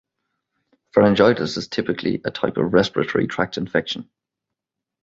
Pharyngitis is typically a type of respiratory tract infection.